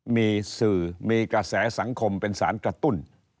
มีสื่อมีกระแสสังคมเป็นสารกระตุ้น